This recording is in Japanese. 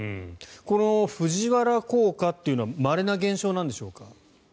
この藤原効果というのはまれな現象なんでしょうか。